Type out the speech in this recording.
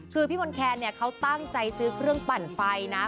คือพี่มนต์แคนเนี่ยเขาตั้งใจซื้อเครื่องปั่นไฟนะ